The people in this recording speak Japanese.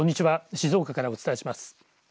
静岡からお伝えします。